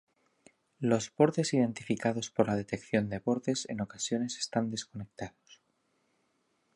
Los bordes identificados por la detección de bordes en ocasiones están desconectados.